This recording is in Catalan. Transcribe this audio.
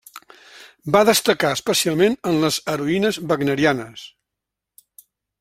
Va destacar especialment en les heroïnes wagnerianes.